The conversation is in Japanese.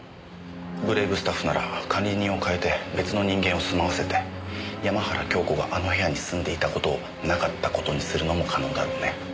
ブレイブスタッフなら管理人を代えて別の人間を住まわせて山原京子があの部屋に住んでいた事をなかった事にするのも可能だろうね。